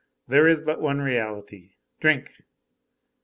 There is but one reality: drink.